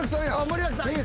森脇さん。